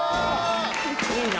いいな！